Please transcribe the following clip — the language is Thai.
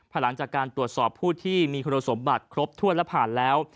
หลังจากการตรวจสอบผู้ที่มีคุณสมบัติครบถ้วนและผ่านแล้ว